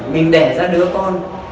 mình đẻ ra đứa con